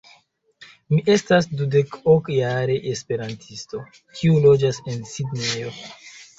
Mi estas dudek-ok jara Esperantisto, kiu loĝas en Sidnejo.